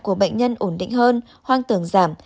của bệnh nhân ổn định hơn hoang tưởng giảm